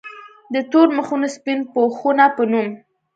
د “ تور مخونه سپين پوښونه ” پۀ نوم